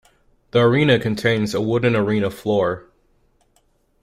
The arena contains a wooden arena floor.